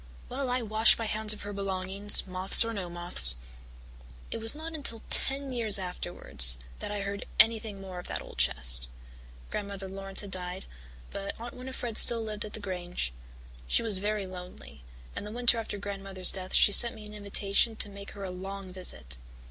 Well, I wash my hands of her belongings, moths or no moths." It was not until ten years afterwards that I heard anything more of the old chest. Grandmother Laurance had died, but Aunt Winnifred still lived at the Grange. She was very lonely, and the winter after Grandmother's death she sent me an invitation to make her a long visit.